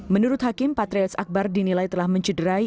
menurut hakim patrialis akbar dinilai telah mencederai